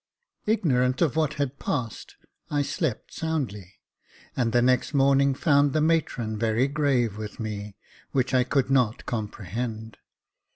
Ignorant of what had passed, I slept soundly , and the next morning found the matron very grave with me, which I could not comprehend.